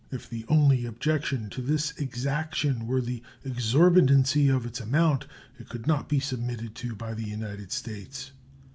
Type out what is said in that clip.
If the only objection to this exaction were the exorbitancy of its amount, it could not be submitted to by the United States.